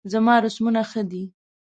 زما رسمونه ښه دي